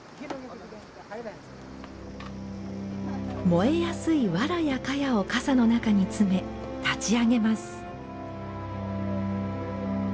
燃えやすい、ワラやカヤをかさの中に詰め、立ち上げます。